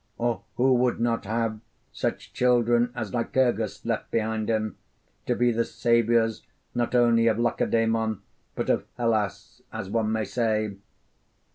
Or who would not have such children as Lycurgus left behind him to be the saviours, not only of Lacedaemon, but of Hellas, as one may say?